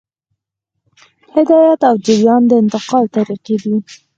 هدایت او جریان د انتقال طریقې دي.